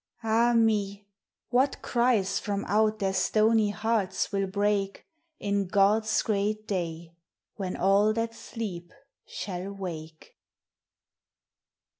Ah me! What cries from out their stony hearts will break, In God's great day, when all that sleep shall wake!